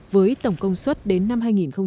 với tổng công suất đến năm hai nghìn hai mươi năm